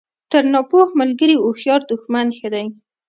تر ناپوه ملګري هوښیار دوښمن ښه دئ!